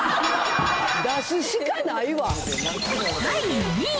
第２位。